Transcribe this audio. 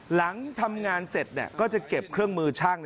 หลังทำงานเสร็จก็จะเก็บเครื่องมือช่าง